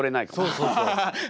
そうそうそう。